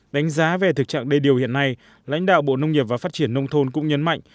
đánh giá về thực trạng đê điều hiện nay lãnh đạo bộ nông nghiệp và phát triển nông thôn cũng nhấn mạnh